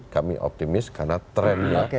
kami optimis karena trennya